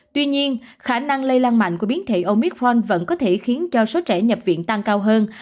tuy nhiên khả năng lây lan mạnh của biến thể omit fron vẫn có thể khiến cho số trẻ nhập viện tăng cao hơn